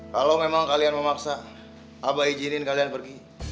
kalau memang kalian memaksa abah izinin kalian pergi